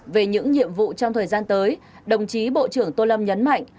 về những nhiệm vụ trong thời gian tới đồng chí bộ trưởng tô lâm nhấn mạnh